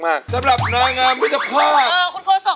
สำหรับนางอามมิจภาพเออคุณโคศก